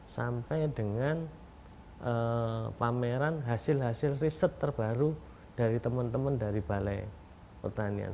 sampai dengan pameran hasil hasil riset terbaru dari teman teman dari balai pertanian